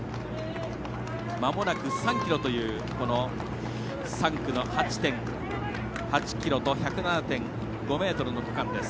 まもなく３ｋｍという３区の８．８ｋｍと１０７．５ｍの区間です。